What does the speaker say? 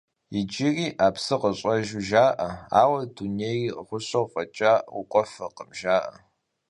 Иджыри а псыр къыщӀэжу жаӀэ, ауэ дунейр гъущэу фӀэкӀа укӀуэфыркъым.